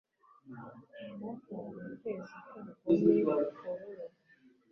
Mata ni ukwezi kwubugome korora